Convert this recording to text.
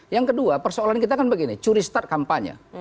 yang kedua persoalan kita kan begini curi start kampanye